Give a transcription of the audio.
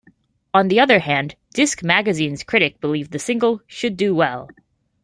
On the other hand, "Disc" magazine's critic believed the single "should do well".